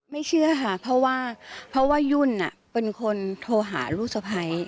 ไม่เชื่อค่ะเพราะว่ายุ่นเป็นคนโทรหาลูกศัพท์